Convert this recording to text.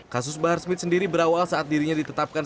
kasus bahar smith sendiri berawal saat dirinya ditetapkan